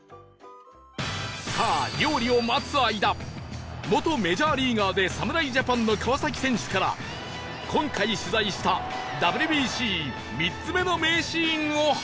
さあ料理を待つ間元メジャーリーガーで侍ジャパンの川選手から今回取材した ＷＢＣ３ つ目の名シーンを発表